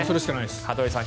羽鳥さん